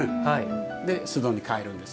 で、簾戸に替えるんです。